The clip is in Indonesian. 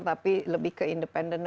tapi lebih ke independent